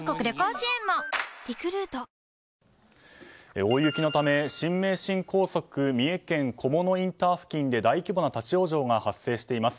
大雪のため新名神高速三重県菰野インター付近で大規模な立ち往生が発生しています。